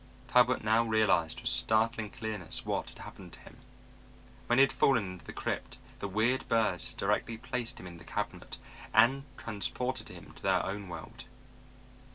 Talbot now realized with startling clearness what had happened to him. When he had fallen into the crypt the weird birds had directly placed him in the cabinet and transported him to their own world.